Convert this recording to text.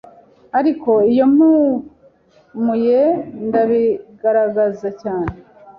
ariko iyo mpumuye ndabigaragaza cyane